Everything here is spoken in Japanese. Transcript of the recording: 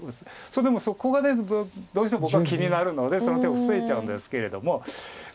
それでもそこがどうしても僕は気になるのでその手を防いじゃうんですけれども。